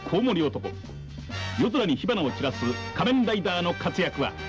夜空に火花を散らす仮面ライダーの活躍は。